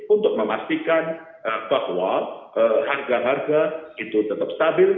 untuk memastikan bahwa harga harga itu tetap stabil